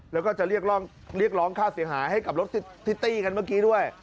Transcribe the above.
แล้วก็จะเรียกร้องค่าเสียหายให้กับรถที่ตี้กันเมื่อกี้ด้วย